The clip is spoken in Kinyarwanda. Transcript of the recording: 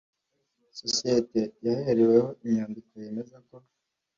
sosiyete yahereweho inyandiko yemezako